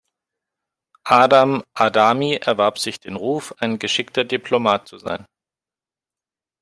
Adam Adami erwarb sich den Ruf, ein geschickter Diplomat zu sein.